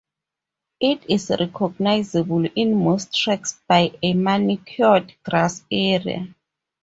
It is recognizable in most tracks by a manicured grass area.